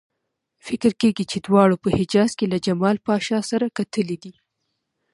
فکر کېږي چې دواړو په حجاز کې له جمال پاشا سره کتلي دي.